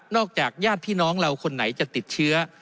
จากญาติพี่น้องเราคนไหนจะติดเชื้อ